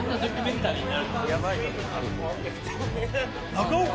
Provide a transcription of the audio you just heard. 中岡！